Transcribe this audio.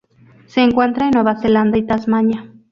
Se encuentra en Nueva Zelanda y Tasmania.